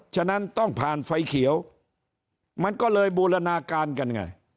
ฉะนั้นต้องผ่านไฟเขียวมันก็เลยบูรณาการกันไง